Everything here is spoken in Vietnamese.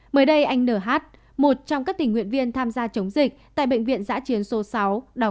mới đây anh n h một trong các tỉnh nguyện viên tham gia chống dịch tại bệnh viện giã chiến số sáu